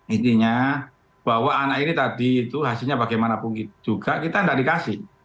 intinya bahwa anak ini tadi itu hasilnya bagaimanapun juga kita tidak dikasih